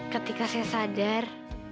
ketika saya sadar